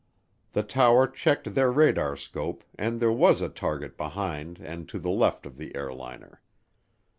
The tower checked their radar scope and there was a target behind and to the left of the airliner.